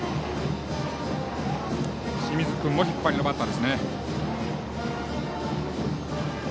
清水君も引っ張りのバッターです。